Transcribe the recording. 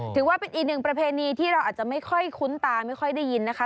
ถือว่าเป็นอีกหนึ่งประเพณีที่เราอาจจะไม่ค่อยคุ้นตาไม่ค่อยได้ยินนะคะ